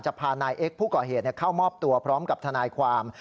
พานายเอ็กซ์ผู้ก่อเหตุเข้ามอบตัวพร้อมกับทนายความ